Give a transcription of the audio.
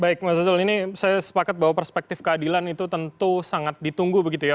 baik mas azul ini saya sepakat bahwa perspektif keadilan itu tentu sangat ditunggu begitu ya